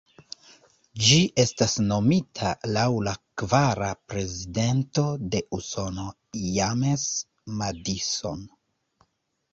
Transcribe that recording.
Ĝi estas nomita laŭ la kvara prezidento de Usono, James Madison.